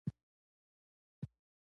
سوالګر د امت رحم ازمويي